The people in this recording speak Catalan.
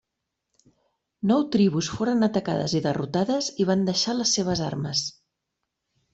Nou tribus foren atacades i derrotades i van deixar les seves armes.